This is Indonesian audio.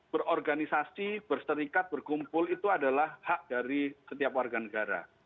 berorganisasi berserikat berkumpul itu adalah hak dari setiap warga negara